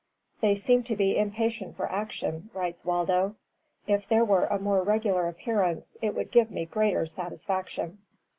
"They seem to be impatient for action," writes Waldo. "If there were a more regular appearance, it would give me greater sattysfaction."